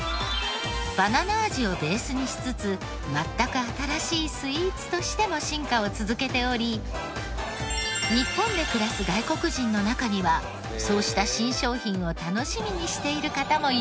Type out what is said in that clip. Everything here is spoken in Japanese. バナナ味をベースにしつつ全く新しいスイーツとしても進化を続けており日本で暮らす外国人の中にはそうしたなるほど。